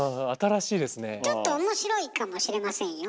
ちょっと面白いかもしれませんよ。